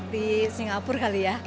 di singapura kali ya